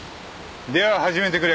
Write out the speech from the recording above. では始めてくれ。